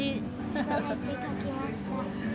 つばめって書きました。